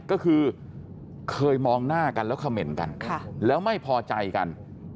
ก็คือเคยมองหน้ากันแล้วเขม่นกันแล้วไม่พอใจกัน